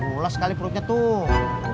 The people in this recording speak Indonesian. gula sekali perutnya tuh